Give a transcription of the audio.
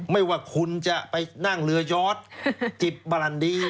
ไม่ว่าคุณจะไปนั่งเรือยอดจิบบารันดี